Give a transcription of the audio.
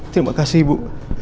terima kasih ibu